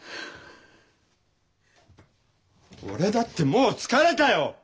俺だってもう疲れたよ！